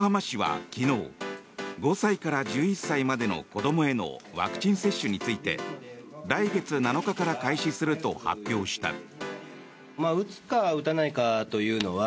横浜市は昨日５歳から１１歳までの子どもへのワクチン接種について来月７日から開始すると発表した。